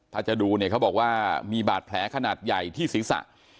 ถ้าจะดูเขาบอกว่ามีบาดแผลขนาดใหญ่ที่ศิษย์สระ